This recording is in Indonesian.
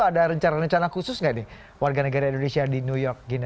ada rencana rencana khusus nggak nih warga negara indonesia di new york gini